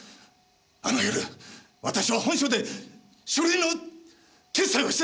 あの夜私は本署で書類の決裁をしてたんだ。